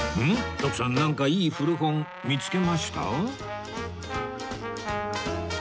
徳さんなんかいい古本見つけました？